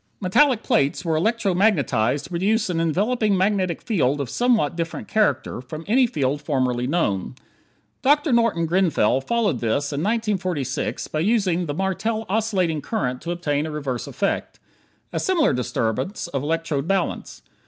Metallic plates were electro magnetized to produce an enveloping magnetic field of somewhat a different character from any field formerly known. Dr. Norton Grenfell followed this in 1946 by using the Martel oscillating current to obtain a reverse effect. A similar disturbance of electrode balance.